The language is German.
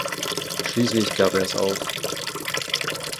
Schließlich gab er es auf.